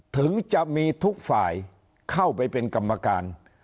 ถึงจะมีทุกฝ่ายเข้าไปเป็นกรรมการ